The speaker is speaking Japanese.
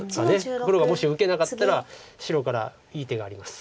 黒がもし受けなかったら白からいい手があります。